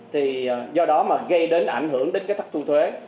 thì do đó mà gây đến ảnh hưởng đến cái thất thu thuế